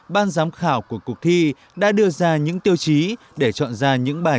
ban giám khảo của cuộc thi đã đưa ra những tiêu chí để chọn ra những bài